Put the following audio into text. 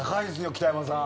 北山さん。